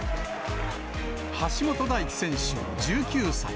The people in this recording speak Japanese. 橋本大輝選手１９歳。